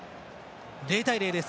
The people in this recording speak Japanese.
０対０です。